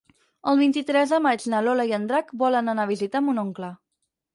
El vint-i-tres de maig na Lola i en Drac volen anar a visitar mon oncle.